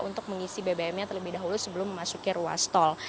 untuk mengisi bbm nya terlebih dahulu sebelum memasuki ruas tol